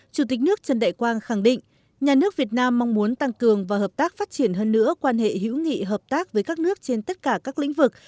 chủ tịch nước trần đại quang khẳng định nhà nước việt nam mong muốn tăng cường và hợp tác phát triển hơn nữa quan hệ hữu nghị hợp tác với các nước trên tất cả các lĩnh vực